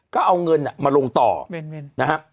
ก็เอาเงินมาลงต่อนะฮะ